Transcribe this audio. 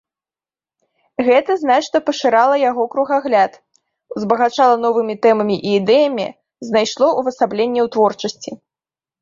Гэта значна пашырала яго кругагляд, узбагачала новымі тэмамі і ідэямі, знайшло ўвасабленне ў творчасці.